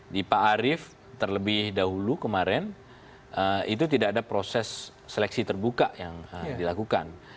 di pak arief terlebih dahulu kemarin itu tidak ada proses seleksi terbuka yang dilakukan